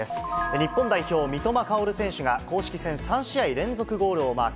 日本代表、三笘薫選手が、公式戦３試合連続ゴールをマーク。